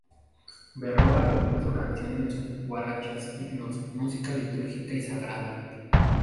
Berroa compuso canciones, guarachas, himnos, música litúrgica y sagrada.